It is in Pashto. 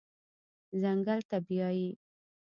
ځنګل ته بیایي